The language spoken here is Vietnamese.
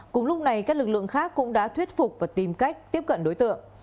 cùng lúc này các lực lượng khác cũng đã thuyết phục và tìm cách tiếp cận đối tượng